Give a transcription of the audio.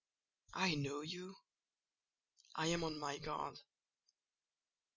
I know you—I am on my guard."